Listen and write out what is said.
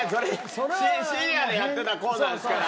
それ深夜でやってたコーナーですから。